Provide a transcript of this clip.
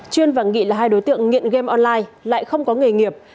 chuyên và nghị là hai đối tượng nghiện game online lại không có nghề nghiệp